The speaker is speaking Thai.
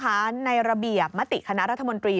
เพราะฉะนั้นในระเบียบมติคณะรัฐมนตรี